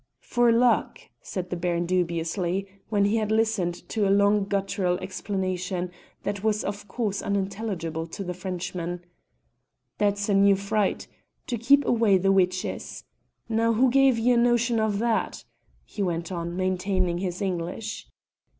"For luck," said the Baron dubiously when he had listened to a long guttural explanation that was of course unintelligible to the Frenchman. "That's a new freit. To keep away the witches. Now, who gave ye a notion like that?" he went on, maintaining his English.